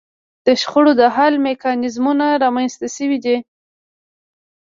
د شخړو د حل میکانیزمونه رامنځته شوي دي